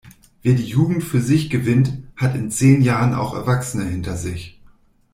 Wer die Jugend für sich gewinnt, hat in zehn Jahren auch Erwachsene hinter sich.